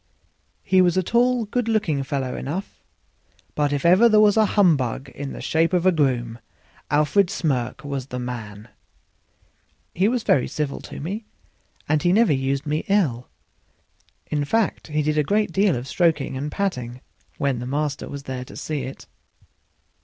He was a tall, good looking fellow enough; but if ever there was a humbug in the shape of a groom Alfred Smirk was the man. He was very civil to me, and never used me ill; in fact, he did a great deal of stroking and patting when his master was there to see it.